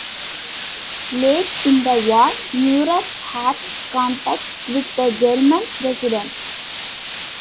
Late in the war, Neurath had contacts with the German resistance.